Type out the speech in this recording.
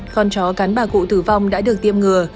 con chó cán bà cụ tử vong đã được tiêm ngừa